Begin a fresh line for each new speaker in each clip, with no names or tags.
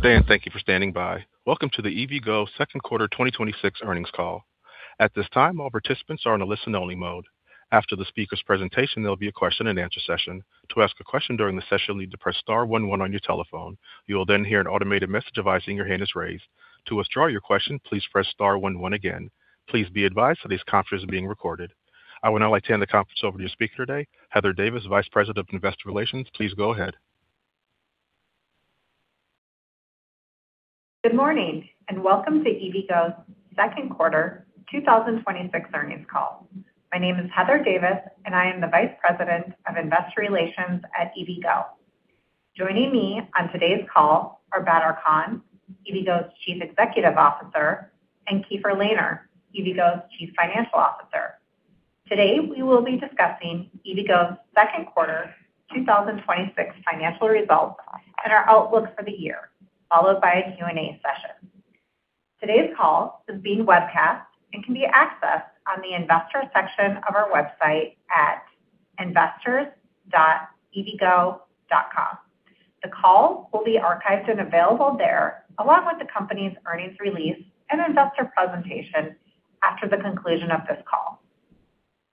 Good day, and thank you for standing by. Welcome to the EVgo second quarter 2026 earnings call. At this time, all participants are in a listen-only mode. After the speaker's presentation, there will be a question and answer session. To ask a question during the session, you will need to press star one one on your telephone. You will then hear an automated message advising your hand is raised. To withdraw your question, please press star one one again. Please be advised that this conference is being recorded. I would now like to hand the conference over to your speaker today, Heather Davis, Vice President of Investor Relations. Please go ahead.
Good morning, and welcome to EVgo's second quarter 2026 earnings call. My name is Heather Davis, and I am the Vice President of Investor Relations at EVgo. Joining me on today's call are Badar Khan, EVgo's Chief Executive Officer, and Keefer Lehner, EVgo's Chief Financial Officer. Today, we will be discussing EVgo's second quarter 2026 financial results and our outlook for the year, followed by a Q&A session. Today's call is being webcast and can be accessed on the Investor section of our website at investors.evgo.com. The call will be archived and available there, along with the company's earnings release and investor presentation after the conclusion of this call.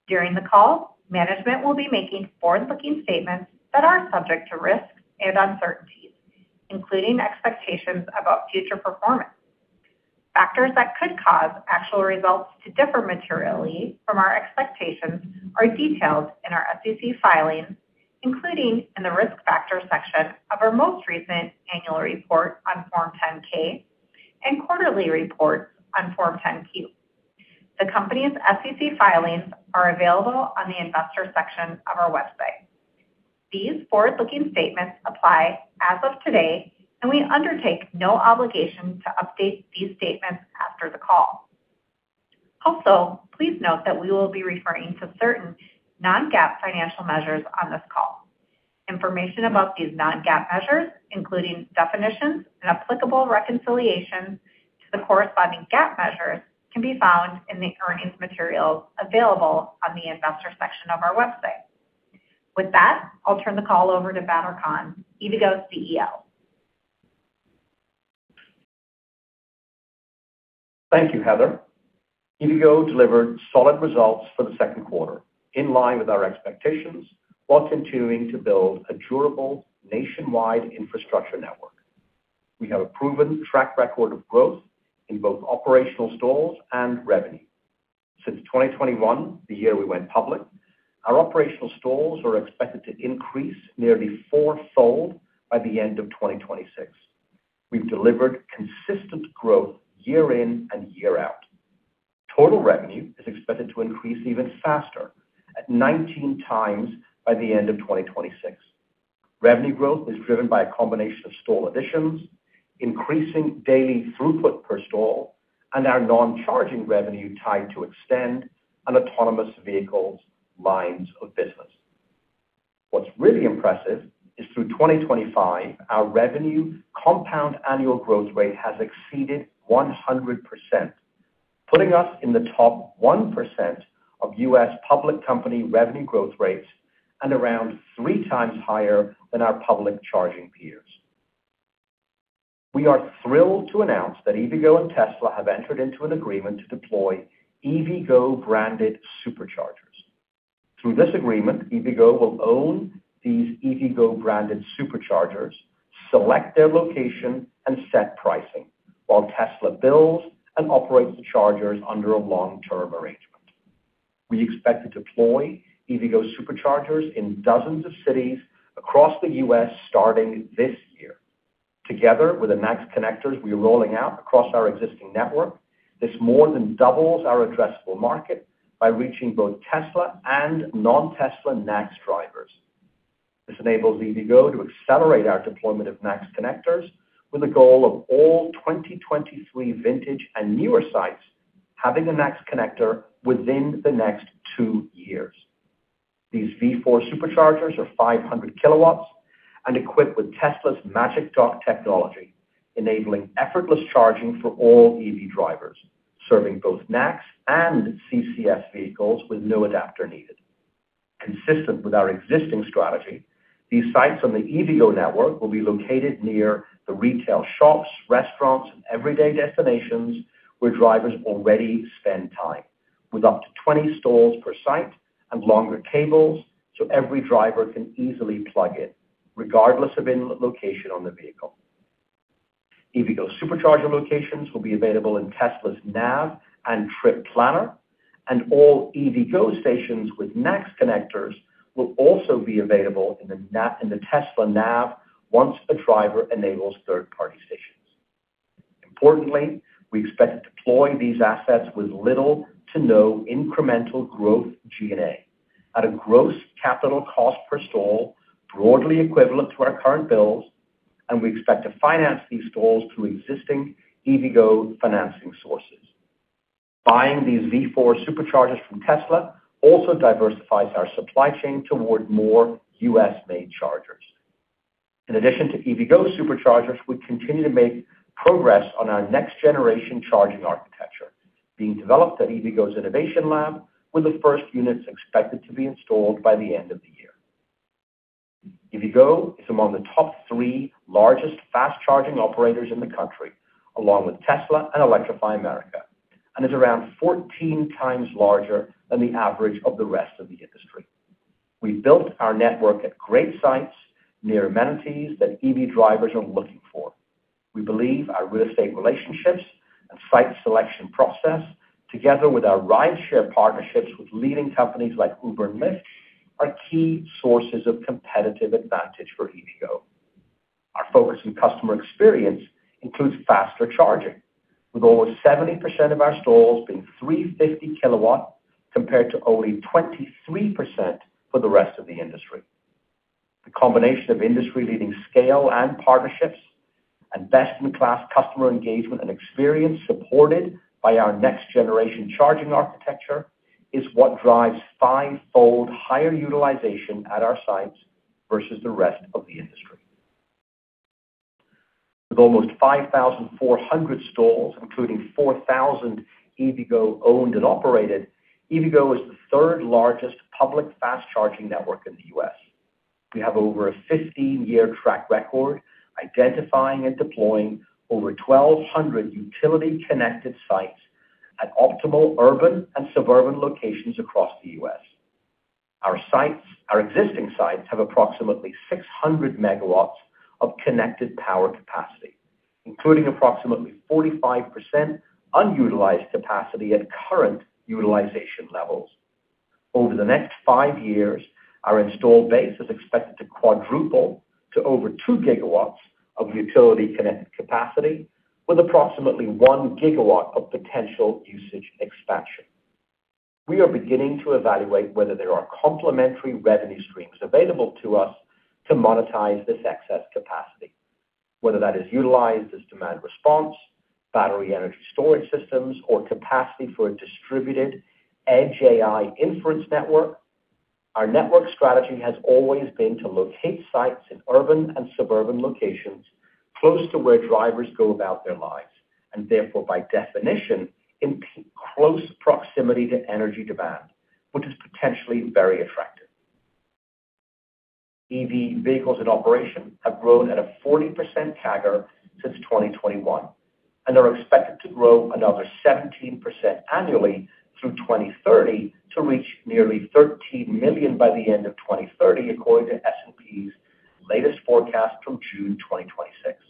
During the call, management will be making forward-looking statements that are subject to risks and uncertainties, including expectations about future performance. Factors that could cause actual results to differ materially from our expectations are detailed in our SEC filings, including in the Risk Factors section of our most recent annual report on Form 10-K and quarterly report on Form 10-Q. The company's SEC filings are available on the Investor section of our website. These forward-looking statements apply as of today, and we undertake no obligation to update these statements after the call. Also, please note that we will be referring to certain non-GAAP financial measures on this call. Information about these non-GAAP measures, including definitions and applicable reconciliations to the corresponding GAAP measures, can be found in the earnings materials available on the Investor section of our website. With that, I will turn the call over to Badar Khan, EVgo's CEO.
Thank you, Heather. EVgo delivered solid results for the second quarter, in line with our expectations, while continuing to build a durable nationwide infrastructure network. We have a proven track record of growth in both operational stalls and revenue. Since 2021, the year we went public, our operational stalls are expected to increase nearly fourfold by the end of 2026. We have delivered consistent growth year in and year out. Total revenue is expected to increase even faster, at 19 times by the end of 2026. Revenue growth is driven by a combination of stall additions, increasing daily throughput per stall, and our non-charging revenue tied to eXtend and autonomous vehicles lines of business. What's really impressive is through 2025, our revenue compound annual growth rate has exceeded 100%, putting us in the top 1% of U.S. public company revenue growth rates and around three times higher than our public charging peers. We are thrilled to announce that EVgo and Tesla have entered into an agreement to deploy EVgo-branded Superchargers. Through this agreement, EVgo will own these EVgo-branded Superchargers, select their location, and set pricing while Tesla builds and operates the chargers under a long-term arrangement. We expect to deploy EVgo Superchargers in dozens of cities across the U.S. starting this year. Together with the NACS connectors we're rolling out across our existing network, this more than doubles our addressable market by reaching both Tesla and non-Tesla NACS drivers. This enables EVgo to accelerate our deployment of NACS connectors with a goal of all 2023 vintage and newer sites having a NACS connector within the next two years. These V4 Superchargers are 500 kW and equipped with Tesla's Magic Dock technology, enabling effortless charging for all EV drivers, serving both NACS and CCS vehicles with no adapter needed. Consistent with our existing strategy, these sites on the EVgo network will be located near the retail shops, restaurants, and everyday destinations where drivers already spend time, with up to 20 stalls per site and longer cables so every driver can easily plug in, regardless of inlet location on the vehicle. EVgo Supercharger locations will be available in Tesla's nav and trip planner, and all EVgo stations with NACS connectors will also be available in the Tesla nav once a driver enables third-party stations. Importantly, we expect to deploy these assets with little to no incremental growth G&A at a gross capital cost per stall broadly equivalent to our current builds, and we expect to finance these stalls through existing EVgo financing sources. Buying these V4 Superchargers from Tesla also diversifies our supply chain toward more U.S.-made chargers. In addition to EVgo Superchargers, we continue to make progress on our next-generation charging architecture being developed at EVgo's innovation lab, with the first units expected to be installed by the end of the year. EVgo is among the top three largest fast charging operators in the country, along with Tesla and Electrify America, and is around 14 times larger than the average of the rest of the industry. We built our network at great sites near amenities that EV drivers are looking for. We believe our real estate relationships and site selection process, together with our rideshare partnerships with leading companies like Uber and Lyft, are key sources of competitive advantage for EVgo. Our focus on customer experience includes faster charging, with over 70% of our stalls being 350 kW, compared to only 23% for the rest of the industry. The combination of industry-leading scale and partnerships and best-in-class customer engagement and experience, supported by our next-generation charging architecture, is what drives fivefold higher utilization at our sites versus the rest of the industry. With almost 5,400 stalls, including 4,000 EVgo owned and operated, EVgo is the third-largest public fast charging network in the U.S. We have over a 15-year track record identifying and deploying over 1,200 utility-connected sites at optimal urban and suburban locations across the U.S. Our existing sites have approximately 600 MW of connected power capacity, including approximately 45% unutilized capacity at current utilization levels. Over the next five years, our installed base is expected to quadruple to over 2 GW of utility-connected capacity with approximately 1 GW of potential usage expansion. We are beginning to evaluate whether there are complementary revenue streams available to us to monetize this excess capacity. Whether that is utilized as demand response, battery energy storage systems, or capacity for a distributed Edge AI inference network, our network strategy has always been to locate sites in urban and suburban locations close to where drivers go about their lives, and therefore, by definition, in close proximity to energy demand, which is potentially very attractive. EV vehicles in operation have grown at a 40% CAGR since 2021 and are expected to grow another 17% annually through 2030 to reach nearly 13 million by the end of 2030, according to S&P's latest forecast from June 2026.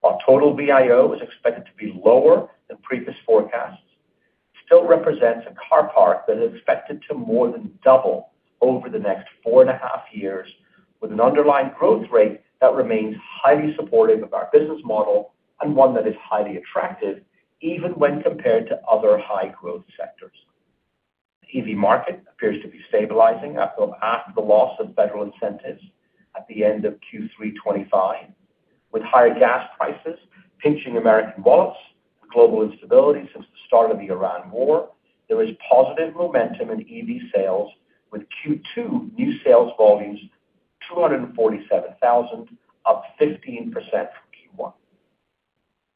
While total VIO is expected to be lower than previous forecasts, it still represents a car park that is expected to more than double over the next four and a half years, with an underlying growth rate that remains highly supportive of our business model and one that is highly attractive even when compared to other high-growth sectors. The EV market appears to be stabilizing after the loss of federal incentives at the end of Q3 2025. With higher gas prices pinching American wallets, global instability since the start of the Iran war, there is positive momentum in EV sales, with Q2 new sales volumes 247,000, up 15% from Q1.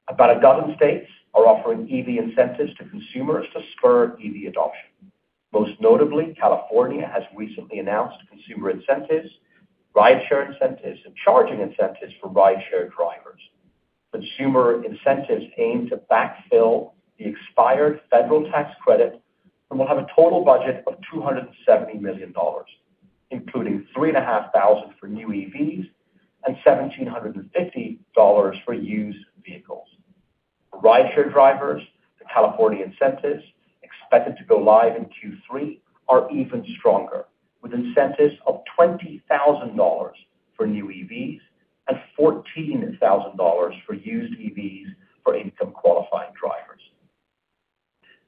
About a dozen states are offering EV incentives to consumers to spur EV adoption. Most notably, California has recently announced consumer incentives, rideshare incentives, and charging incentives for rideshare drivers. Consumer incentives aim to backfill the expired federal tax credit and will have a total budget of $270 million, including $3,500 for new EVs and $1,750 for used vehicles. For rideshare drivers, the California incentives expected to go live in Q3 are even stronger, with incentives of $20,000 for new EVs and $14,000 for used EVs for income-qualifying drivers.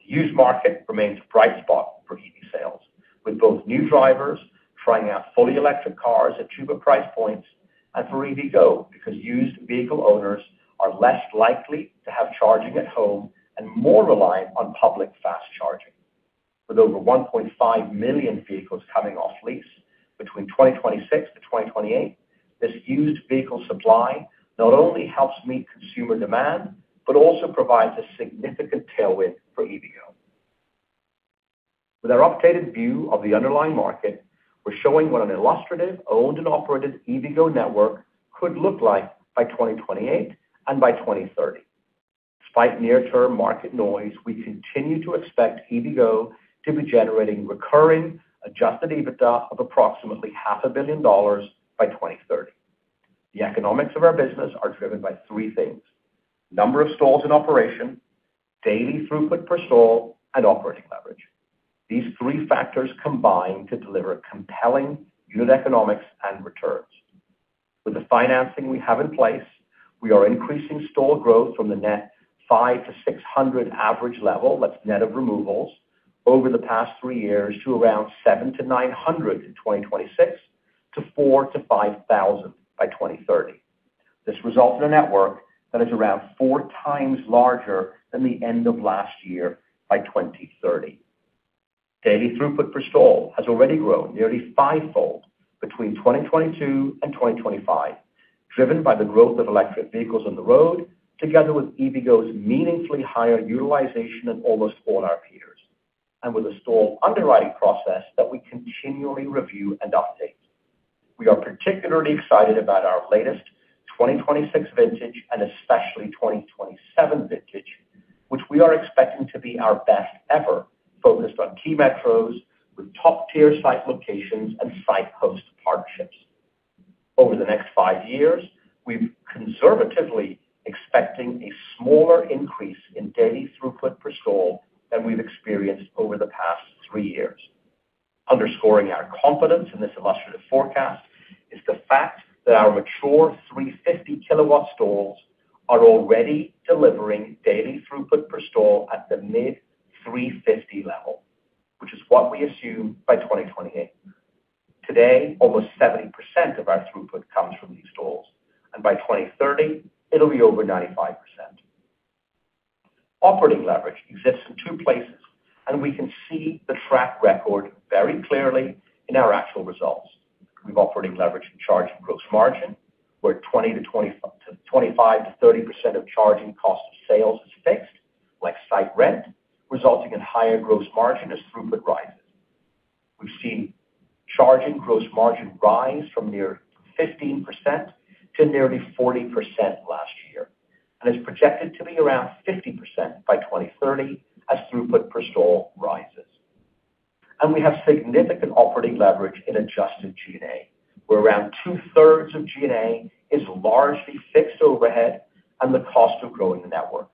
The used market remains a bright spot for EV sales, with both new drivers trying out fully electric cars at cheaper price points, and for EVgo because used vehicle owners are less likely to have charging at home and more reliant on public fast charging. With over 1.5 million vehicles coming off lease between 2026 to 2028, this used vehicle supply not only helps meet consumer demand but also provides a significant tailwind for EVgo. With our updated view of the underlying market, we're showing what an illustrative owned and operated EVgo network could look like by 2028 and by 2030. Despite near-term market noise, we continue to expect EVgo to be generating recurring adjusted EBITDA of approximately $500 million by 2030. The economics of our business are driven by three things: number of stalls in operation, daily throughput per stall, and operating leverage. These three factors combine to deliver compelling unit economics and returns. With the financing we have in place, we are increasing stall growth from the net 500-600 average level, that's net of removals, over the past three years to around 700-900 in 2026, to 4,000-5,000 by 2030. This results in a network that is around four times larger than the end of last year by 2030. Daily throughput per stall has already grown nearly fivefold between 2022 and 2025, driven by the growth of electric vehicles on the road, together with EVgo's meaningfully higher utilization than almost all our peers, and with a stall underwriting process that we continually review and update. We are particularly excited about our latest 2026 vintage, and especially 2027 vintage, which we are expecting to be our best ever, focused on key metros with top-tier site locations and site host partnerships. Over the next five years, we're conservatively expecting a smaller increase in daily throughput per stall than we've experienced over the past three years. Underscoring our confidence in this illustrative forecast is the fact that our mature 350 kW stalls are already delivering daily throughput per stall at the mid-350 level, which is what we assume by 2028. Today, almost 70% of our throughput comes from these stalls, and by 2030, it'll be over 95%. Operating leverage exists in two places, and we can see the track record very clearly in our actual results. We have operating leverage in charge and gross margin, where 25%-30% of charging cost of sales is fixed, like site rent, resulting in higher gross margin as throughput rises. We've seen charging gross margin rise from near 15% to nearly 40% last year, and is projected to be around 50% by 2030 as throughput per stall rises. We have significant operating leverage in adjusted G&A, where around 2/3 of G&A is largely fixed overhead and the cost of growing the network.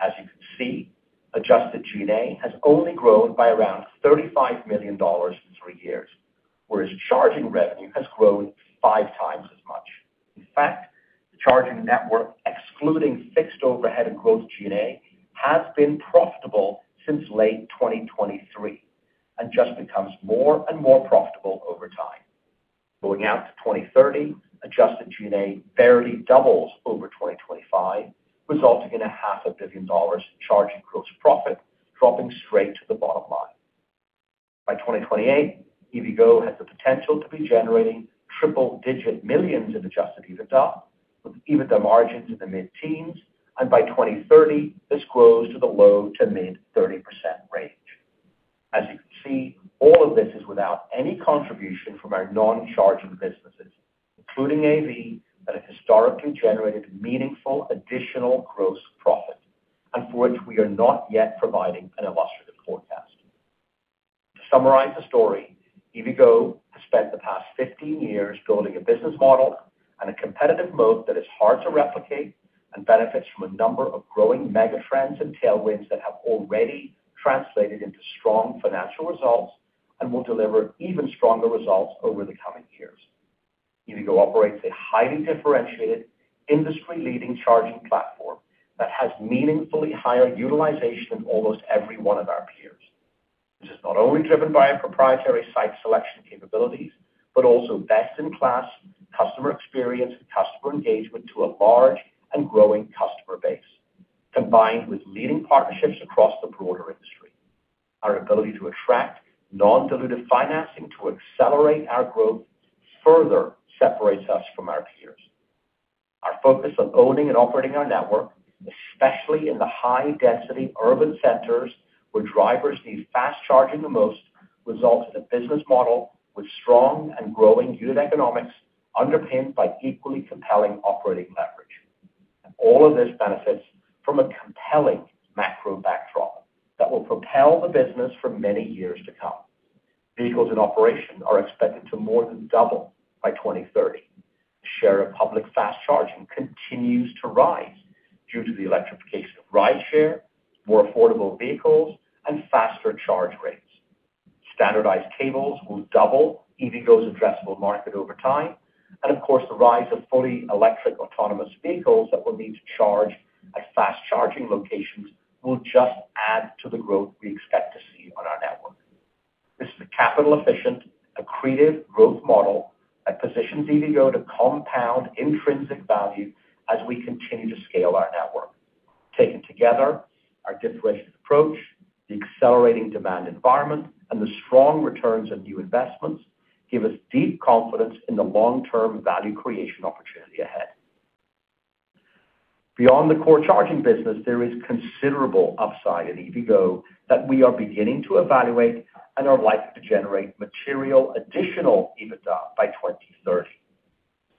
As you can see, adjusted G&A has only grown by around $35 million in three years, whereas charging revenue has grown five times as much. In fact, the charging network, excluding fixed overhead and growth G&A, has been profitable since late 2023 and just becomes more and more profitable over time. Going out to 2030, adjusted G&A barely doubles over 2025, resulting in a $500 million in charging gross profit, dropping straight to the bottom line. By 2028, EVgo has the potential to be generating triple-digit millions in adjusted EBITDA, with EBITDA margins in the mid-teens, and by 2030, this grows to the low to mid 30% range. As you can see, all of this is without any contribution from our non-charging businesses, including AV, that have historically generated meaningful additional gross profit and for which we are not yet providing an illustrative forecast. To summarize the story, EVgo has spent the past 15 years building a business model and a competitive moat that is hard to replicate and benefits from a number of growing mega trends and tailwinds that have already translated into strong financial results and will deliver even stronger results over the coming years. EVgo operates a highly differentiated industry-leading charging platform that has meaningfully higher utilization than almost every one of our peers. This is not only driven by our proprietary site selection capabilities, but also best-in-class customer experience and customer engagement to a large and growing customer base, combined with leading partnerships across the broader industry. Our ability to attract non-dilutive financing to accelerate our growth further separates us from our peers. Our focus on owning and operating our network, especially in the high-density urban centers where drivers need fast charging the most, results in a business model with strong and growing unit economics underpinned by equally compelling operating leverage. All of this benefits from a compelling macro backdrop that will propel the business for many years to come. Vehicles in operation are expected to more than double by 2030. Share of public fast charging continues to rise due to the electrification of rideshare, more affordable vehicles, and faster charge rates. Standardized cables will double EVgo's addressable market over time. Of course, the rise of fully electric autonomous vehicles that will need to charge at fast charging locations will just add to the growth we expect to see on our network. This is a capital efficient, accretive growth model that positions EVgo to compound intrinsic value as we continue to scale our network. Taken together, our differentiated approach, the accelerating demand environment, and the strong returns on new investments give us deep confidence in the long-term value creation opportunity ahead. Beyond the core charging business, there is considerable upside at EVgo that we are beginning to evaluate and are likely to generate material additional EBITDA by 2030.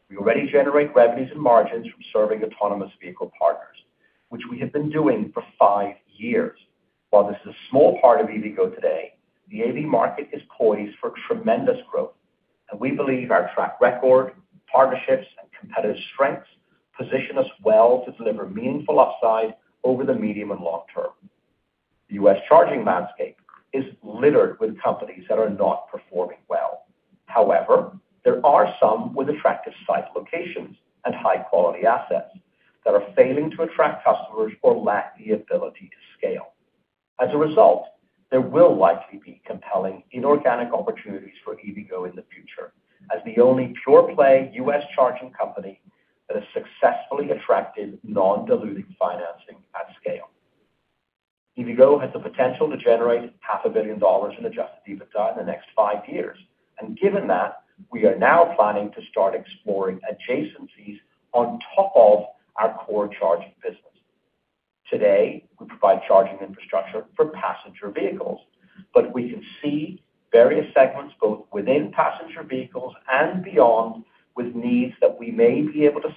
We already generate revenues and margins from serving autonomous vehicle partners, which we have been doing for five years. While this is a small part of EVgo today, the AV market is poised for tremendous growth, and we believe our track record, partnerships, and competitive strengths position us well to deliver meaningful upside over the medium and long term. The U.S. charging landscape is littered with companies that are not performing well. However, there are some with attractive site locations and high-quality assets that are failing to attract customers or lack the ability to scale. As a result, there will likely be compelling inorganic opportunities for EVgo in the future as the only pure-play U.S. charging company that has successfully attracted non-dilutive financing at scale. EVgo has the potential to generate $500 million in adjusted EBITDA in the next five years. Given that, we are now planning to start exploring adjacencies on top of our core charging business. Today, we provide charging infrastructure for passenger vehicles, but we can see various segments, both within passenger vehicles and beyond, with needs that we may be able to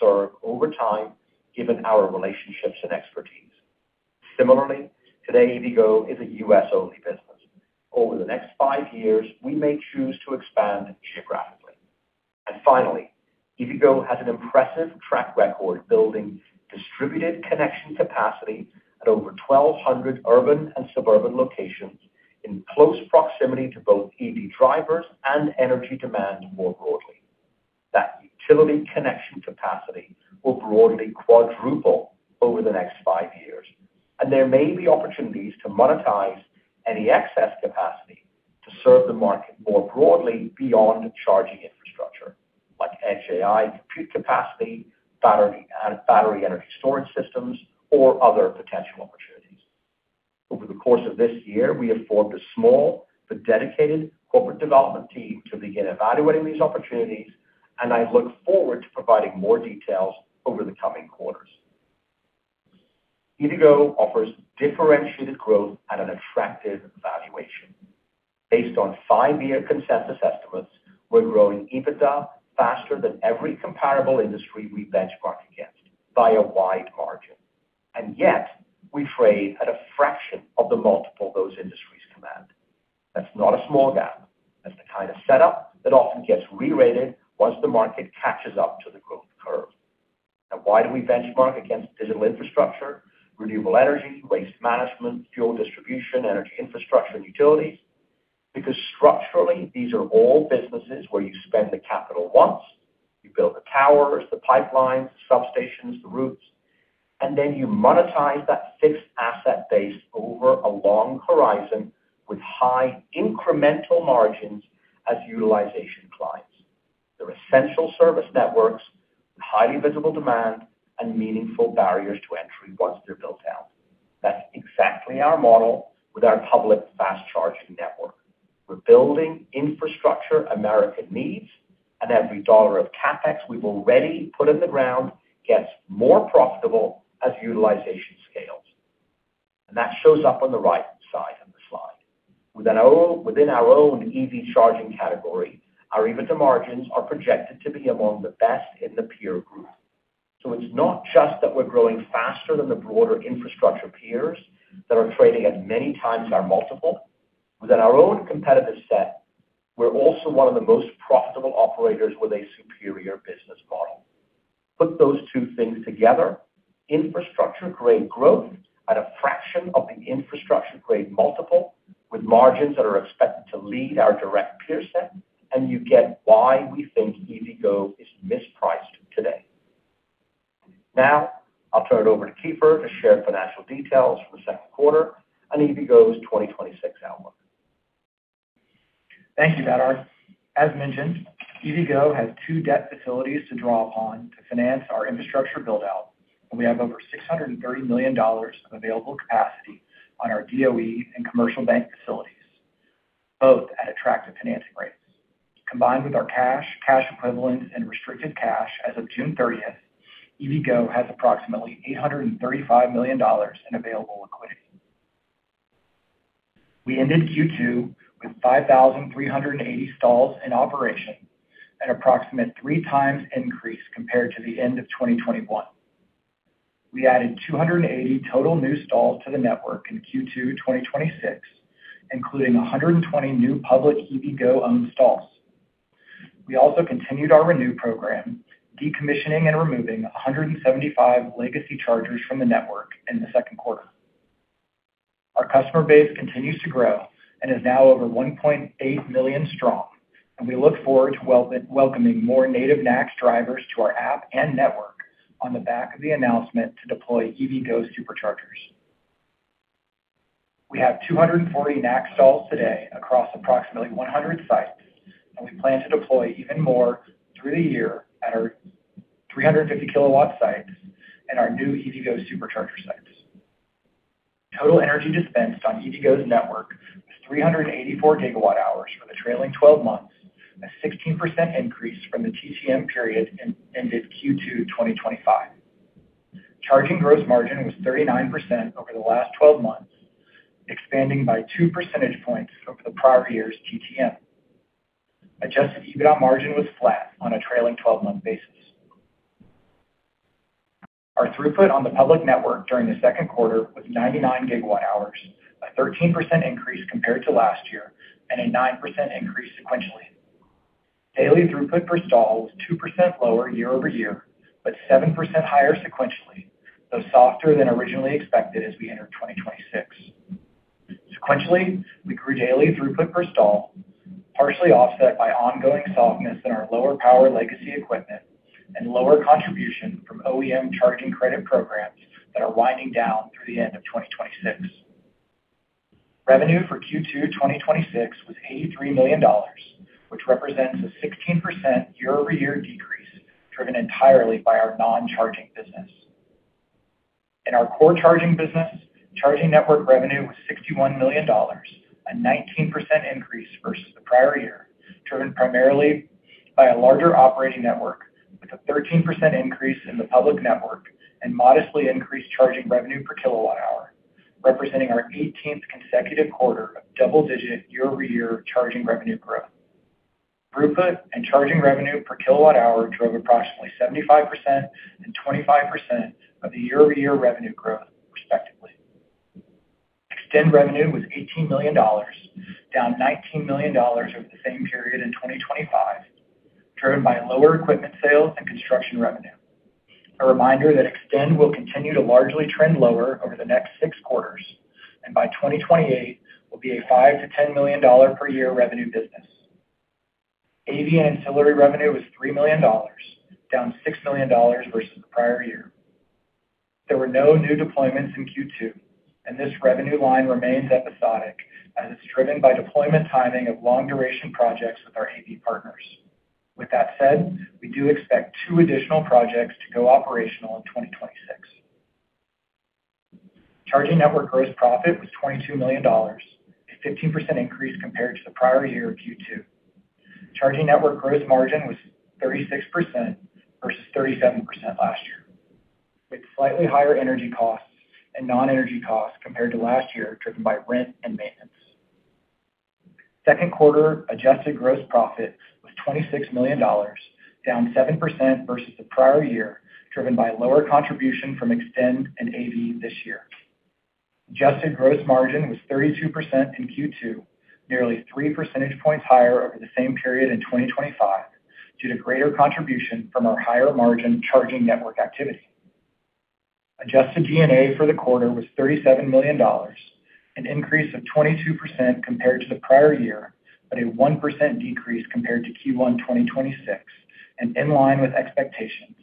serve over time given our relationships and expertise. Today, EVgo is a U.S.-only business. Over the next five years, we may choose to expand geographically. Finally, EVgo has an impressive track record building distributed connection capacity at over 1,200 urban and suburban locations in close proximity to both EV drivers and energy demand more broadly. That utility connection capacity will broadly quadruple over the next five years, and there may be opportunities to monetize any excess capacity to serve the market more broadly beyond charging infrastructure, like Edge AI, compute capacity, battery, and battery energy storage systems, or other potential opportunities. Over the course of this year, we have formed a small but dedicated corporate development team to begin evaluating these opportunities, I look forward to providing more details over the coming quarters. EVgo offers differentiated growth at an attractive valuation. Based on five-year consensus estimates, we're growing EBITDA faster than every comparable industry we benchmark against by a wide margin. Yet we trade at a fraction of the multiple those industries command. That's not a small gap. That's the kind of setup that often gets re-rated once the market catches up to the growth curve. Why do we benchmark against digital infrastructure, renewable energy, waste management, fuel distribution, energy infrastructure, and utilities? Structurally, these are all businesses where you spend the capital once, you build the towers, the pipelines, the substations, the routes, then you monetize that fixed asset base over a long horizon with high incremental margins as utilization climbs. They're essential service networks with highly visible demand and meaningful barriers to entry once they're built out. That's exactly our model with our public fast charging network. We're building infrastructure American needs, every dollar of CapEx we've already put in the ground gets more profitable as utilization scales. That shows up on the right side of the slide. Within our own EV charging category, our EBITDA margins are projected to be among the best in the peer group. It's not just that we're growing faster than the broader infrastructure peers that are trading at many times our multiple. Within our own competitive set, we're also one of the most profitable operators with a superior business model. Put those two things together, infrastructure-grade growth at a fraction of the infrastructure-grade multiple with margins that are expected to lead our direct peer set, you get why we think EVgo is mispriced today. I'll turn it over to Keefer to share financial details for the second quarter and EVgo's 2026 outlook.
Thank you, Badar. As mentioned, EVgo has two debt facilities to draw upon to finance our infrastructure build-out, we have over $630 million of available capacity on our DOE and commercial bank facilities, both at attractive financing rates. Combined with our cash equivalents, and restricted cash as of June 30th, EVgo has approximately $835 million in available liquidity. We ended Q2 with 5,380 stalls in operation, an approximate three times increase compared to the end of 2021. We added 280 total new stalls to the network in Q2 2026, including 120 new public EVgo-owned stalls. We also continued our ReNew program, decommissioning and removing 175 legacy chargers from the network in the second quarter. Our customer base continues to grow and is now over 1.8 million strong, and we look forward to welcoming more Native NACS drivers to our app and network on the back of the announcement to deploy EVgo Superchargers. We have 240 NACS stalls today across approximately 100 sites, and we plan to deploy even more through the year at our 350 kW sites and our new EVgo Supercharger sites. Total energy dispensed on EVgo's network was 384 GWh for the trailing 12 months, a 16% increase from the TTM period ended Q2 2025. Charging gross margin was 39% over the last 12 months, expanding by two percentage points over the prior year's TTM. Adjusted EBITDA margin was flat on a trailing 12-month basis. Our throughput on the public network during the second quarter was 99 GWh, a 13% increase compared to last year and a 9% increase sequentially. Daily throughput per stall was 2% lower year-over-year, but 7% higher sequentially, though softer than originally expected as we enter 2026. Sequentially, we grew daily throughput per stall, partially offset by ongoing softness in our lower power legacy equipment and lower contribution from OEM charging credit programs that are winding down through the end of 2026. Revenue for Q2 2026 was $83 million, which represents a 16% year-over-year decrease driven entirely by our non-charging business. In our core charging business, charging network revenue was $61 million, a 19% increase versus the prior year, driven primarily by a larger operating network with a 13% increase in the public network and modestly increased charging revenue per kWh, representing our 18th consecutive quarter of double-digit year-over-year charging revenue growth. Throughput and charging revenue per kWh drove approximately 75% and 25% of the year-over-year revenue growth, respectively. eXtend revenue was $18 million, down $19 million over the same period in 2025, driven by lower equipment sales and construction revenue. A reminder that eXtend will continue to largely trend lower over the next six quarters, and by 2028 will be a $5 million-$10 million per year revenue business. AV ancillary revenue was $3 million, down $6 million versus the prior year. There were no new deployments in Q2, and this revenue line remains episodic as it's driven by deployment timing of long-duration projects with our AV partners. With that said, we do expect two additional projects to go operational in 2026. Charging network gross profit was $22 million, a 15% increase compared to the prior year of Q2. Charging network gross margin was 36% versus 37% last year, with slightly higher energy costs and non-energy costs compared to last year, driven by rent and maintenance. Second quarter adjusted gross profit was $26 million, down 7% versus the prior year, driven by lower contribution from eXtend and AV this year. Adjusted gross margin was 32% in Q2, nearly 3 percentage points higher over the same period in 2025 due to greater contribution from our higher margin charging network activity. Adjusted G&A for the quarter was $37 million, an increase of 22% compared to the prior year, but a 1% decrease compared to Q1 2026 and in line with expectations,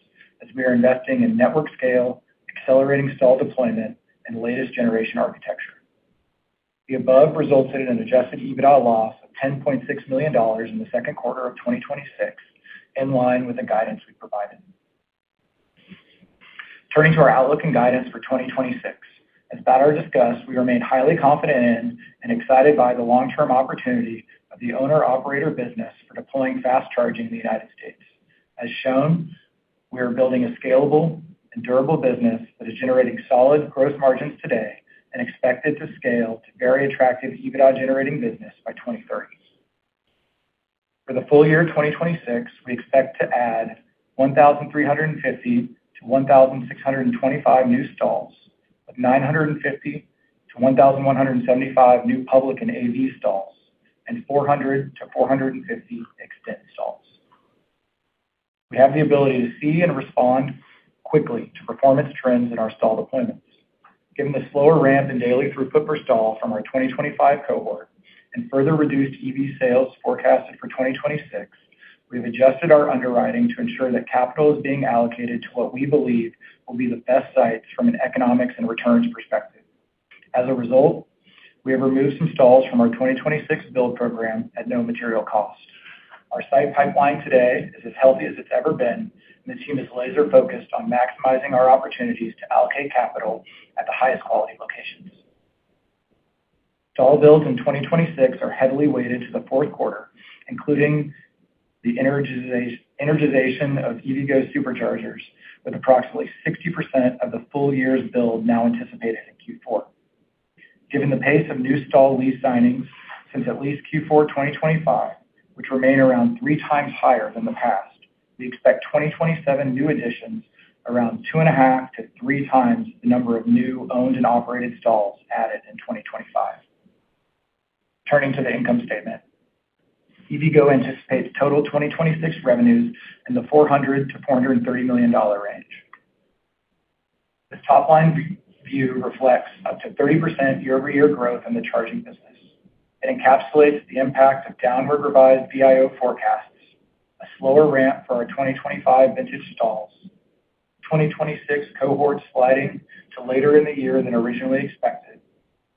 as we are investing in network scale, accelerating stall deployment, and latest generation architecture. The above resulted in an adjusted EBITDA loss of $10.6 million in the second quarter of 2026, in line with the guidance we provided. Turning to our outlook and guidance for 2026. As Badar or discussed, we remain highly confident in and excited by the long-term opportunity of the owner/operator business for deploying fast charging in the U.S. As shown, we are building a scalable and durable business that is generating solid gross margins today and expected to scale to very attractive EBITDA generating business by 2030. For the full year 2026, we expect to add 1,350-1,625 new stalls, with 950-1,175 new public and AV stalls and 400-450 eXtend stalls. We have the ability to see and respond quickly to performance trends in our stall deployments. Given the slower ramp in daily throughput per stall from our 2025 cohort and further reduced EV sales forecasted for 2026, we've adjusted our underwriting to ensure that capital is being allocated to what we believe will be the best sites from an economics and returns perspective. As a result, we have removed some stalls from our 2026 build program at no material cost. Our site pipeline today is as healthy as it's ever been, and the team is laser-focused on maximizing our opportunities to allocate capital at the highest quality locations. Stall builds in 2026 are heavily weighted to the fourth quarter, including the energization of EVgo Superchargers with approximately 60% of the full year's build now anticipated in Q4. Given the pace of new stall lease signings since at least Q4 2025, which remain around three times higher than the past, we expect 2027 new additions around two and a half to three times the number of new owned and operated stalls added in 2025. Turning to the income statement. EVgo anticipates total 2026 revenues in the $400 million-$430 million range. This top-line view reflects up to 30% year-over-year growth in the charging business. It encapsulates the impact of downward revised VIO forecasts, a slower ramp for our 2025 vintage stalls, 2026 cohorts sliding to later in the year than originally expected,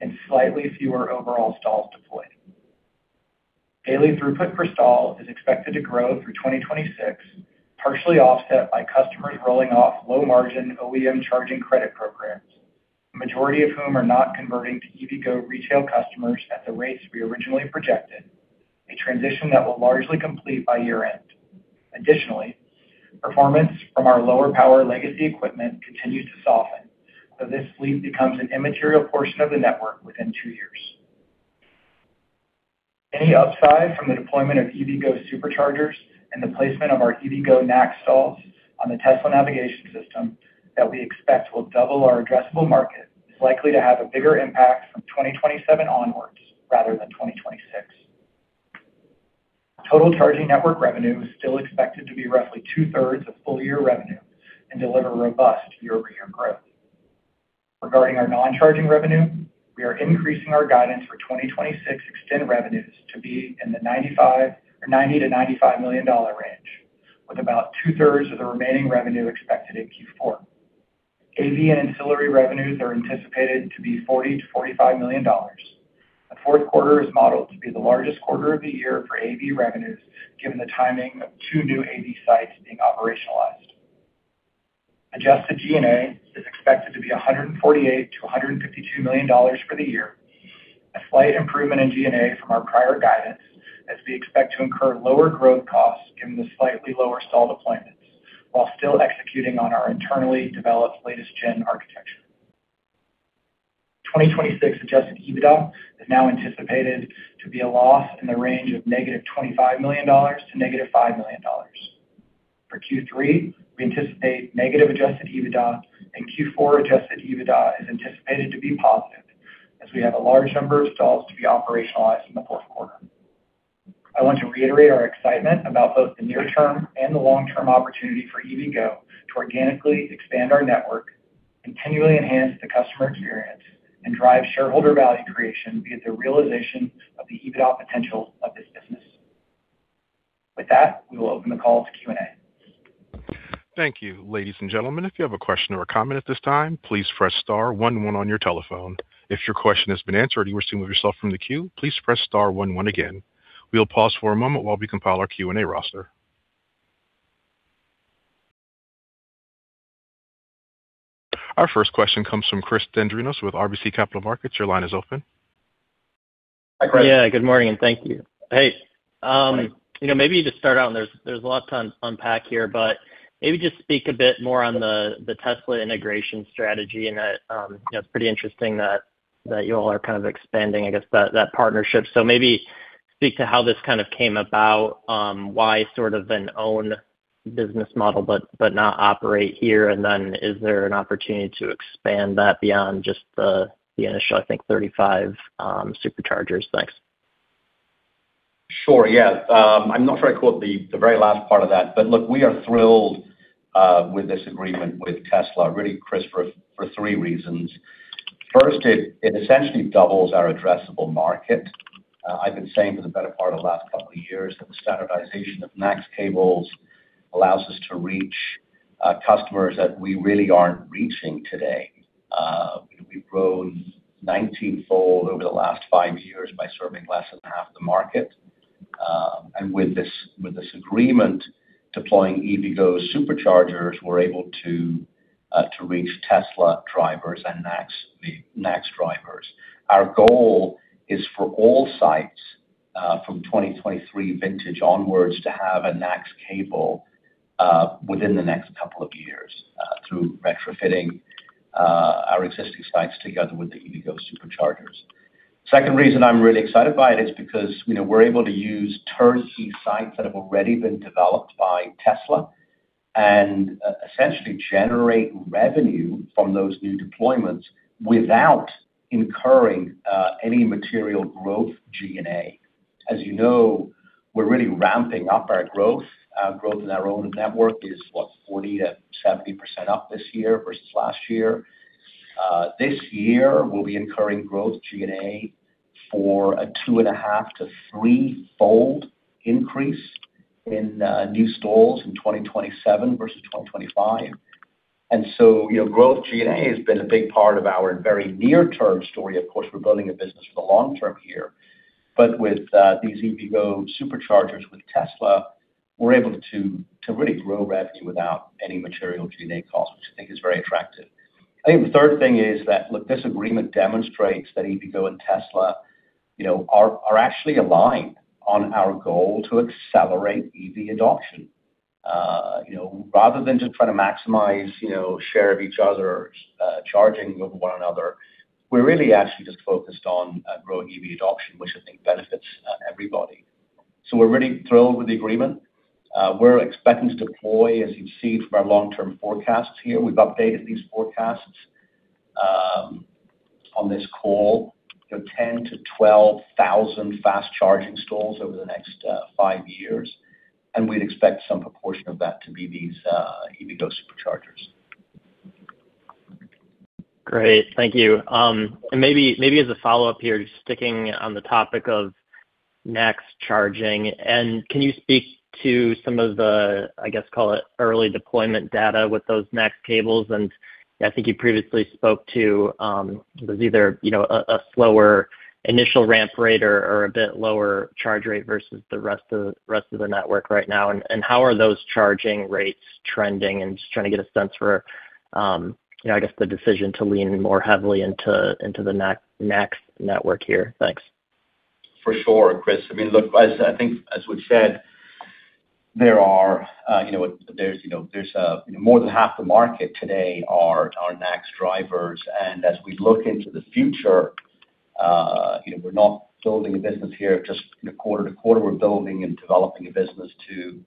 and slightly fewer overall stalls deployed. Daily throughput per stall is expected to grow through 2026, partially offset by customers rolling off low-margin OEM charging credit programs, the majority of whom are not converting to EVgo retail customers at the rates we originally projected, a transition that will largely complete by year-end. Additionally, performance from our lower power legacy equipment continues to soften, so this fleet becomes an immaterial portion of the network within two years. Any upside from the deployment of EVgo Superchargers and the placement of our EVgo NACS stalls on the Tesla navigation system that we expect will double our addressable market is likely to have a bigger impact from 2027 onwards rather than 2026. Total charging network revenue is still expected to be roughly 2/3 of full-year revenue and deliver robust year-over-year growth. Regarding our non-charging revenue, we are increasing our guidance for 2026 eXtend revenues to be in the $90 million-$95 million range With about 2/3 of the remaining revenue expected in Q4. AV ancillary revenues are anticipated to be $40 million-$45 million. The fourth quarter is modeled to be the largest quarter of the year for AV revenues, given the timing of two new AV sites being operationalized. Adjusted G&A is expected to be $148 million-$152 million for the year. A slight improvement in G&A from our prior guidance, as we expect to incur lower growth costs given the slightly lower stall deployments, while still executing on our internally developed latest-gen architecture. 2026 adjusted EBITDA is now anticipated to be a loss in the range of negative $25 million to negative $5 million. For Q3, we anticipate negative adjusted EBITDA and Q4 adjusted EBITDA is anticipated to be positive as we have a large number of stalls to be operationalized in the fourth quarter. I want to reiterate our excitement about both the near-term and the long-term opportunity for EVgo to organically expand our network, continually enhance the customer experience, and drive shareholder value creation via the realization of the EBITDA potential of this business. With that, we will open the call to Q&A.
Thank you. Ladies and gentlemen, if you have a question or a comment at this time, please press star one one on your telephone. If your question has been answered and you wish to remove yourself from the queue, please press star one one again. We'll pause for a moment while we compile our Q&A roster. Our first question comes from Chris Dendrinos with RBC Capital Markets. Your line is open.
Hi, Chris.
Yeah, good morning, and thank you. Hey.
Morning.
There's a lot to unpack here, but maybe just speak a bit more on the Tesla integration strategy and that it's pretty interesting that you all are kind of expanding, I guess, that partnership. Maybe speak to how this kind of came about, why sort of an own business model but not operate here? Is there an opportunity to expand that beyond just the initial, I think, 35 Superchargers? Thanks.
Sure. Yeah. I'm not very clear the very last part of that. Look, we are thrilled with this agreement with Tesla, really, Chris, for three reasons. First, it essentially doubles our addressable market. I've been saying for the better part of the last couple of years that the standardization of NACS cables allows us to reach customers that we really aren't reaching today. We've grown 19-fold over the last five years by serving less than half the market. With this agreement deploying EVgo Superchargers, we're able to reach Tesla drivers and NACS drivers. Our goal is for all sites from 2023 vintage onwards to have a NACS cable within the next couple of years through retrofitting our existing sites together with the EVgo Superchargers. Second reason I'm really excited by it is because we're able to use turnkey sites that have already been developed by Tesla and essentially generate revenue from those new deployments without incurring any material growth G&A. As you know, we're really ramping up our growth. Growth in our own network is, what, 40%-70% up this year versus last year. This year, we'll be incurring growth G&A for a two and a half to three-fold increase in new stalls in 2027 versus 2025. Growth G&A has been a big part of our very near-term story. Of course, we're building a business for the long term here. With these EVgo Superchargers with Tesla, we're able to really grow revenue without any material G&A cost, which I think is very attractive. I think the third thing is that, look, this agreement demonstrates that EVgo and Tesla are actually aligned on our goal to accelerate EV adoption. Rather than just trying to maximize share of each other, charging of one another, we're really actually just focused on growing EV adoption, which I think benefits everybody. We're really thrilled with the agreement. We're expecting to deploy, as you can see from our long-term forecasts here, we've updated these forecasts on this call, 10,000-12,000 fast-charging stalls over the next five years, and we'd expect some proportion of that to be these EVgo Superchargers.
Great. Thank you. Maybe as a follow-up here, just sticking on the topic of NACS charging. Can you speak to some of the, I guess, call it early deployment data with those NACS cables? I think you previously spoke to, it was either a slower initial ramp rate or a bit lower charge rate versus the rest of the network right now. How are those charging rates trending? Just trying to get a sense for, I guess, the decision to lean more heavily into the NACS network here. Thanks.
For sure, Chris. I mean, look, I think as we've said, more than half the market today are NACS drivers. As we look into the future, we're not building a business here just quarter to quarter. We're building and developing a business to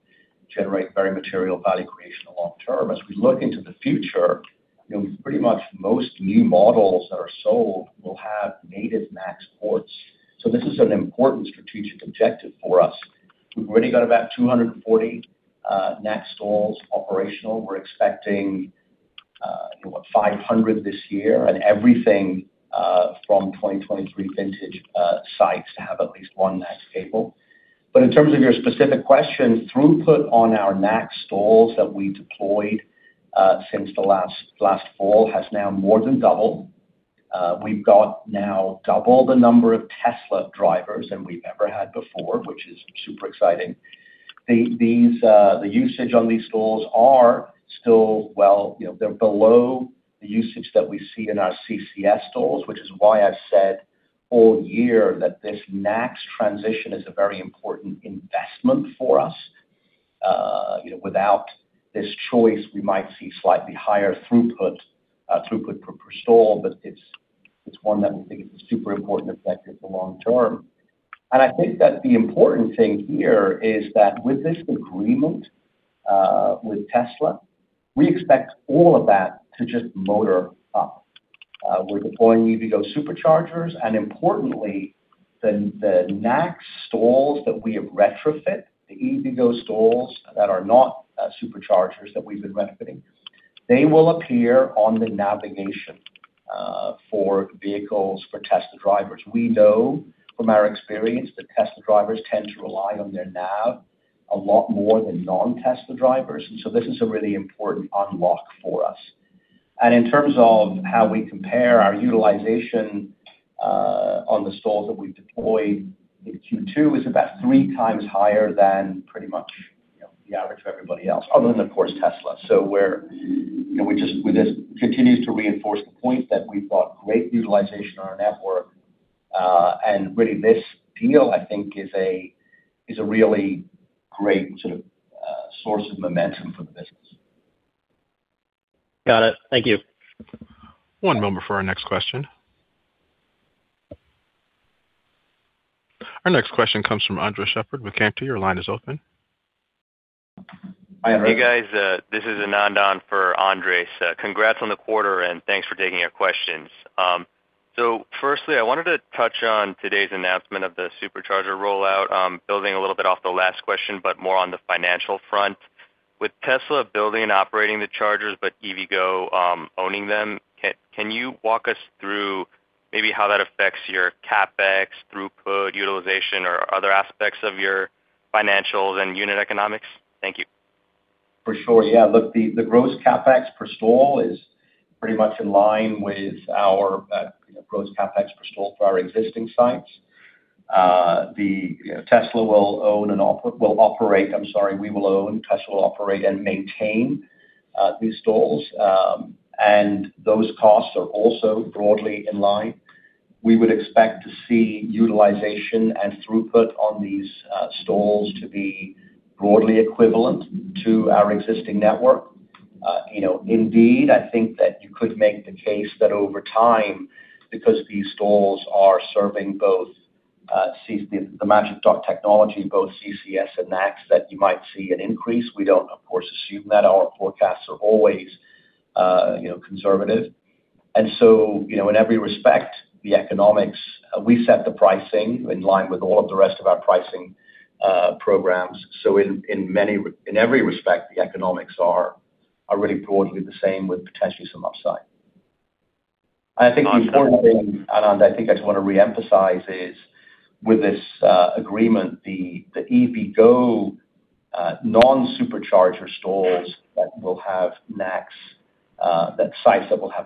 generate very material value creation long term. As we look into the future, pretty much most new models that are sold will have native NACS ports. This is an important strategic objective for us. We've already got about 240 NACS stalls operational. We're expecting 500 this year and everything from 2023 vintage sites to have at least one NACS cable. In terms of your specific question, throughput on our NACS stalls that we deployed since the last fall has now more than doubled. We've got now double the number of Tesla drivers than we've ever had before, which is super exciting. The usage on these stalls are still below the usage that we see in our CCS stalls, which is why I've said all year that this NACS transition is a very important investment for us. Without this choice, we might see slightly higher throughput per stall, but it's one that we think is a super important effect in the long term. I think that the important thing here is that with this agreement with Tesla, we expect all of that to just motor up. We're deploying EVgo Superchargers, importantly, the NACS stalls that we have retrofit, the EVgo stalls that are not Superchargers that we've been retrofitting, they will appear on the navigation for vehicles for Tesla drivers. We know from our experience that Tesla drivers tend to rely on their nav a lot more than non-Tesla drivers. This is a really important unlock for us. In terms of how we compare our utilization on the stalls that we've deployed in Q2 is about three times higher than pretty much the average for everybody else, other than, of course, Tesla. We just continue to reinforce the point that we've got great utilization on our network. Really this deal, I think, is a really great source of momentum for the business.
Got it. Thank you.
One moment for our next question. Our next question comes from Andres Sheppard with Cantor Fitzgerald. Your line is open.
Hi, Andres.
Hey, guys. This is Anand for Andres. Congrats on the quarter, and thanks for taking our questions. Firstly, I wanted to touch on today's announcement of the Supercharger rollout building a little bit off the last question, but more on the financial front. With Tesla building and operating the chargers, but EVgo owning them, can you walk us through maybe how that affects your CapEx throughput utilization or other aspects of your financials and unit economics? Thank you.
For sure. Yeah, look, the gross CapEx per stall is pretty much in line with our gross CapEx per stall for our existing sites. We will own, Tesla will operate and maintain these stalls. Those costs are also broadly in line. We would expect to see utilization and throughput on these stalls to be broadly equivalent to our existing network. Indeed, I think that you could make the case that over time, because these stalls are serving both the Magic Dock technology, both CCS and NACS, that you might see an increase. We don't, of course, assume that. Our forecasts are always conservative. In every respect, the economics, we set the pricing in line with all of the rest of our pricing programs. In every respect, the economics are really broadly the same with potentially some upside. I think the important thing, Anand, I just want to reemphasize is with this agreement, the EVgo non-Supercharger stalls that sites that will have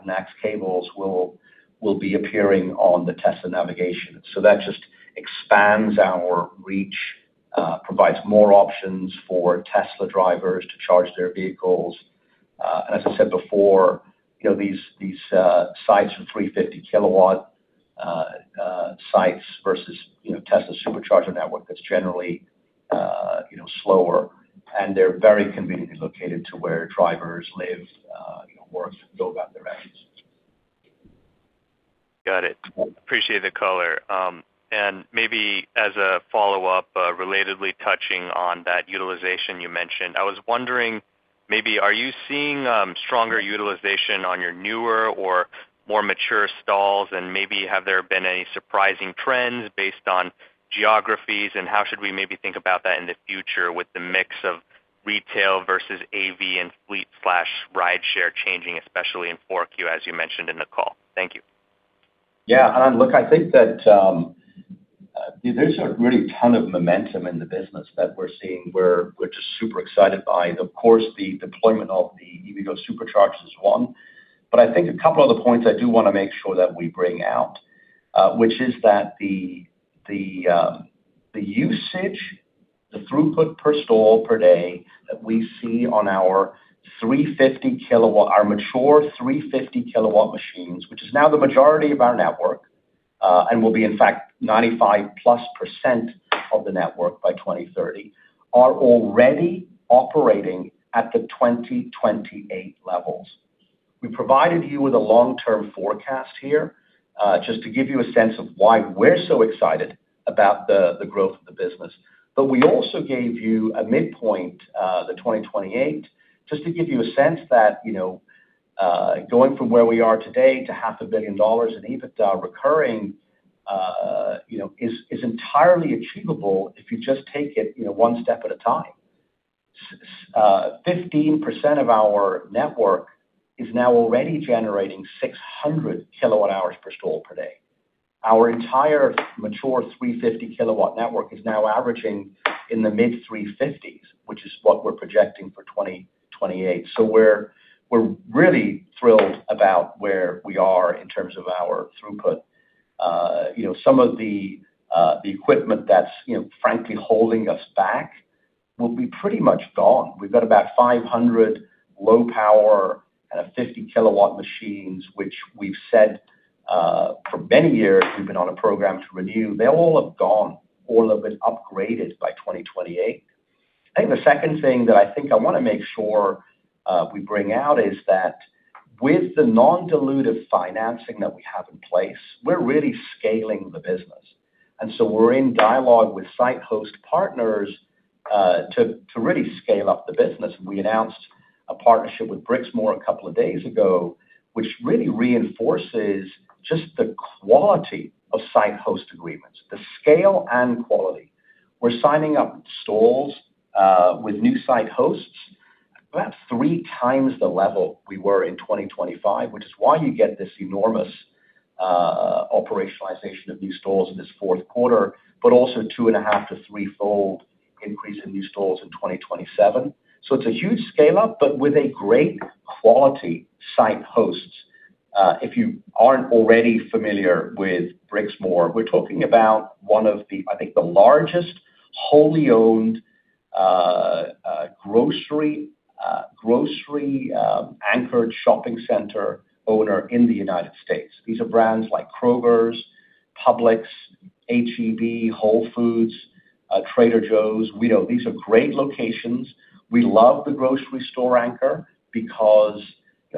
NACS cables will be appearing on the Tesla navigation. That just expands our reach, provides more options for Tesla drivers to charge their vehicles. As I said before, these sites are 350 kW sites versus Tesla Supercharger network that's generally slower, and they're very conveniently located to where drivers live, work, and go about their business.
Got it. Appreciate the color. Maybe as a follow-up relatedly touching on that utilization you mentioned, I was wondering maybe, are you seeing stronger utilization on your newer or more mature stalls? Maybe have there been any surprising trends based on geographies, and how should we maybe think about that in the future with the mix of retail versus AV and fleet/rideshare changing, especially in 4Q, as you mentioned in the call? Thank you.
Yeah. Anand, look, I think that there's a really ton of momentum in the business that we're seeing, we're just super excited by. Of course, the deployment of the EVgo Superchargers is one. I think a couple other points I do want to make sure that we bring out, which is that the usage, the throughput per stall per day that we see on our mature 350 kW machines, which is now the majority of our network, and will be in fact 95+% of the network by 2030, are already operating at the 2028 levels. We provided you with a long-term forecast here, just to give you a sense of why we're so excited about the growth of the business. We also gave you a midpoint, the 2028, just to give you a sense that going from where we are today to $500 million in EBITDA recurring is entirely achievable if you just take it one step at a time. 15% of our network is now already generating 600 kWh per stall per day. Our entire mature 350 kW network is now averaging in the mid 350s, which is what we're projecting for 2028. We're really thrilled about where we are in terms of our throughput. Some of the equipment that's frankly holding us back will be pretty much gone. We've got about 500 low-power, kind of 50-kW machines, which we've said for many years we've been on a program to renew. They all have gone. All of it upgraded by 2028. I think the second thing that I think I want to make sure we bring out is that with the non-dilutive financing that we have in place, we're really scaling the business. We're in dialogue with site host partners to really scale up the business. We announced a partnership with Brixmor a couple of days ago, which really reinforces just the quality of site host agreements, the scale and quality. We're signing up stalls with new site hosts about three times the level we were in 2025, which is why you get this enormous operationalization of new stalls in this fourth quarter, but also two and a half to threefold increase in new stalls in 2027. It's a huge scale-up, but with a great quality site hosts. If you aren't already familiar with Brixmor, we're talking about one of, I think, the largest wholly owned grocery-anchored shopping center owner in the United States. These are brands like Kroger, Publix, H-E-B, Whole Foods, Trader Joe's. These are great locations. We love the grocery store anchor because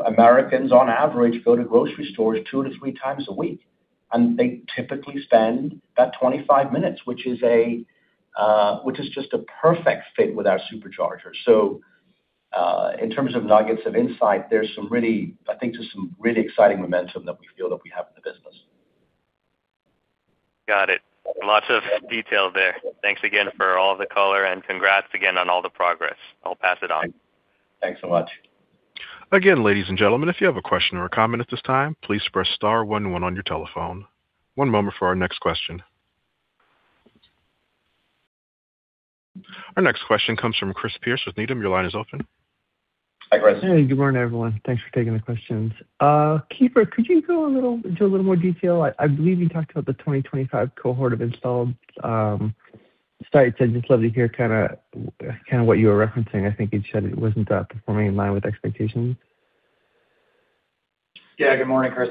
Americans, on average, go to grocery stores two to three times a week. They typically spend about 25 minutes, which is just a perfect fit with our supercharger. In terms of nuggets of insight, I think there's some really exciting momentum that we feel that we have in the business.
Got it. Lots of detail there. Thanks again for all the color, and congrats again on all the progress. I'll pass it on.
Thanks so much.
Again, ladies and gentlemen, if you have a question or a comment at this time, please press star one one on your telephone. One moment for our next question. Our next question comes from Chris Pierce with Needham. Your line is open.
Hi, Chris.
Hey, good morning, everyone. Thanks for taking the questions. Keefer, could you go into a little more detail? I believe you talked about the 2025 cohort of installed sites. I'd just love to hear what you were referencing. I think you'd said it wasn't performing in line with expectations.
Yeah. Good morning, Chris.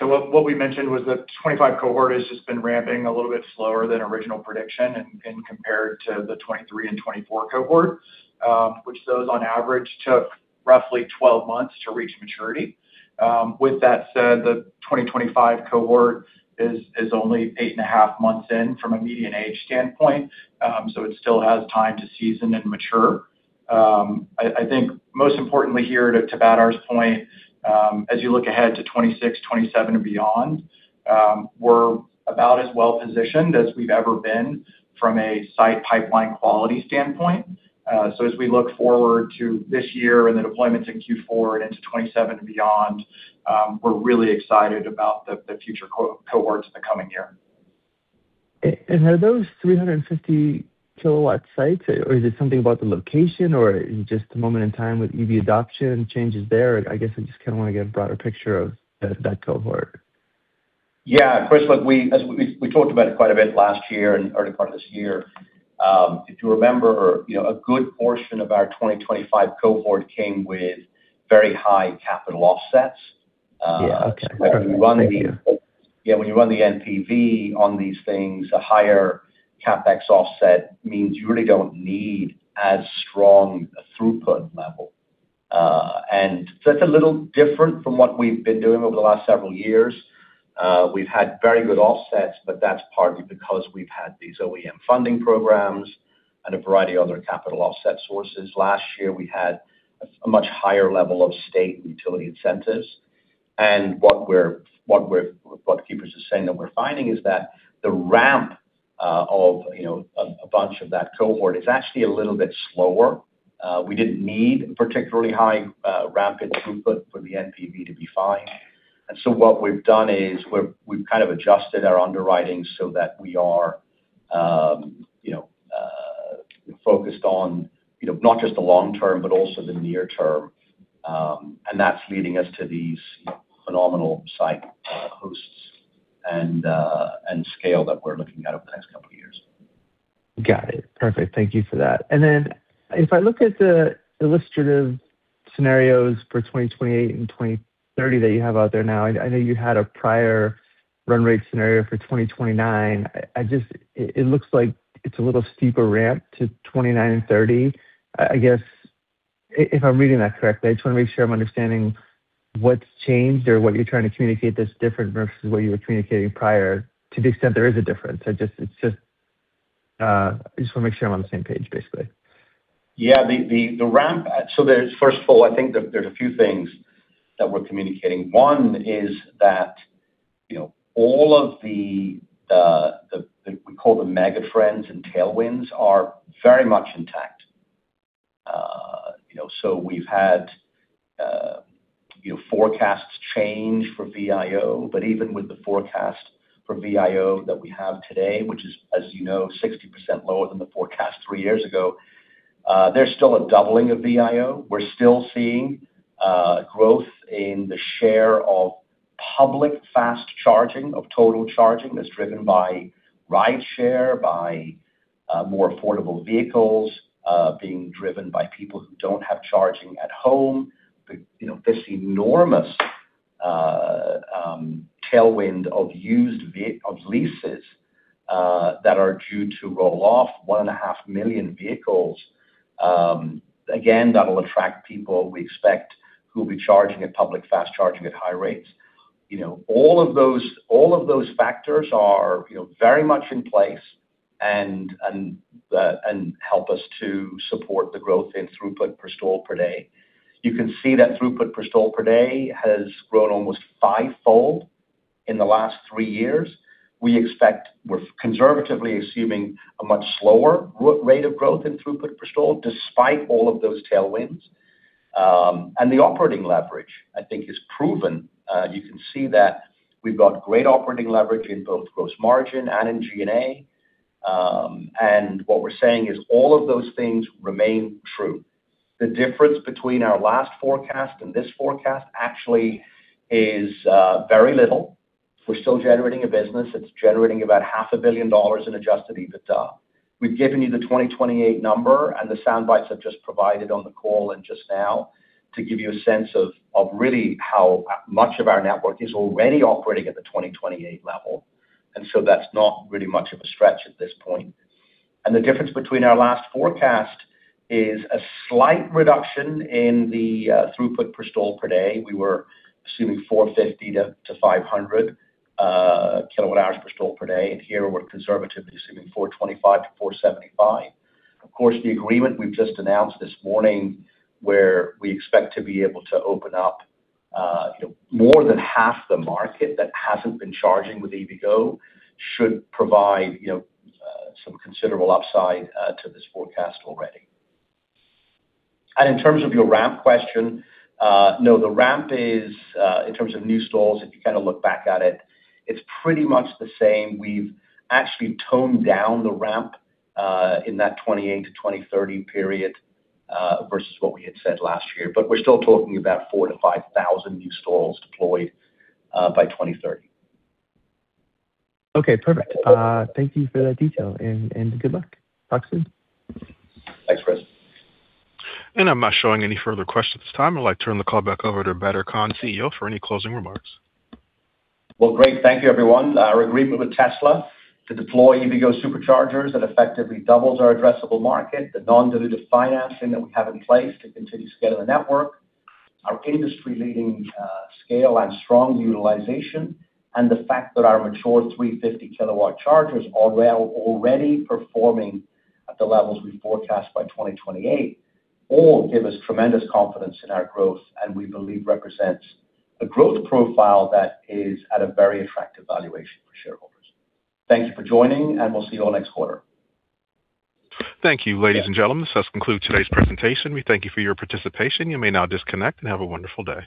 What we mentioned was the 2025 cohort has just been ramping a little bit slower than original prediction and compared to the 2023 and 2024 cohort, which those on average took roughly 12 months to reach maturity. With that said, the 2025 cohort is only 8.5 months in from a median age standpoint. It still has time to season and mature. I think most importantly here, to Badar's point, as you look ahead to 2026, 2027 and beyond, we're about as well-positioned as we've ever been from a site pipeline quality standpoint. As we look forward to this year and the deployments in Q4 and into 2027 and beyond, we're really excited about the future cohorts in the coming year.
Are those 350 kW sites, or is it something about the location, or in just a moment in time with EV adoption changes there? I guess I just want to get a broader picture of that cohort.
Yeah, Chris, look, as we talked about it quite a bit last year and early part of this year, if you remember, a good portion of our 2025 cohort came with very high capital offsets.
Yeah, okay.
NPV on these things, a higher CapEx offset means you really don't need as strong a throughput level. It's a little different from what we've been doing over the last several years. We've had very good offsets, but that's partly because we've had these OEM funding programs and a variety of other capital offset sources. Last year, we had a much higher level of state utility incentives. What Keefer is saying that we're finding is that the ramp of a bunch of that cohort is actually a little bit slower. We didn't need particularly high rapid throughput for the NPV to be fine. What we've done is we've kind of adjusted our underwriting so that we are focused on not just the long term, but also the near term. That's leading us to these phenomenal site hosts and scale that we're looking at over the next couple of years.
Got it. Perfect. Thank you for that. If I look at the illustrative scenarios for 2028 and 2030 that you have out there now, I know you had a prior run rate scenario for 2029. It looks like it's a little steeper ramp to 2029 and 2030. I guess, if I'm reading that correctly, I just want to make sure I'm understanding what's changed or what you're trying to communicate that's different versus what you were communicating prior to the extent there is a difference. I just want to make sure I'm on the same page, basically.
Yeah. First of all, I think there's a few things that we're communicating. One is that all of the, we call them mega trends and tailwinds, are very much intact. We've had forecasts change for VIO, but even with the forecast for VIO that we have today, which is, as you know, 60% lower than the forecast three years ago, there's still a doubling of VIO. We're still seeing growth in the share of public fast charging of total charging that's driven by rideshare, by more affordable vehicles being driven by people who don't have charging at home. This enormous tailwind of leases that are due to roll off one and a half million vehicles. Again, that'll attract people we expect who will be charging at public fast charging at high rates. All of those factors are very much in place and help us to support the growth in throughput per stall per day. You can see that throughput per stall per day has grown almost fivefold in the last three years. We're conservatively assuming a much slower rate of growth in throughput per stall, despite all of those tailwinds. The operating leverage, I think, is proven. You can see that we've got great operating leverage in both gross margin and in G&A. What we're saying is all of those things remain true. The difference between our last forecast and this forecast actually is very little. We're still generating a business that's generating about $500 million in adjusted EBITDA. We've given you the 2028 number, the soundbites I've just provided on the call and just now to give you a sense of really how much of our network is already operating at the 2028 level. That's not really much of a stretch at this point. The difference between our last forecast is a slight reduction in the throughput per stall per day. We were assuming 450 kWh-500 kWh per stall per day, and here we're conservatively assuming 425 kWh-475 kWh. Of course, the agreement we've just announced this morning, where we expect to be able to open up more than half the market that hasn't been charging with EVgo should provide some considerable upside to this forecast already. In terms of your ramp question, no, the ramp is, in terms of new stalls, if you look back at it's pretty much the same. We've actually toned down the ramp in that 2028-2030 period versus what we had said last year. We're still talking about 4,000-5,000 new stalls deployed by 2030.
Okay, perfect. Thank you for that detail, good luck. Talk soon.
Thanks, Chris.
I'm not showing any further questions at this time. I'd like to turn the call back over to Badar Khan, CEO, for any closing remarks.
Well, great. Thank you, everyone. Our agreement with Tesla to deploy EVgo Superchargers that effectively doubles our addressable market, the non-dilutive financing that we have in place to continue to scale the network, our industry-leading scale and strong utilization, and the fact that our mature 350 kW chargers are already performing at the levels we forecast by 2028, all give us tremendous confidence in our growth and we believe represents a growth profile that is at a very attractive valuation for shareholders. Thank you for joining, and we'll see you all next quarter.
Thank you. Ladies and gentlemen, this does conclude today's presentation. We thank you for your participation. You may now disconnect, and have a wonderful day.